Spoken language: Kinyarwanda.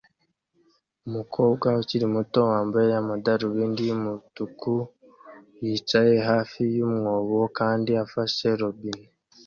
Umukobwa ukiri muto wambaye amadarubindi yumutuku yicaye hafi yumwobo kandi afashe robine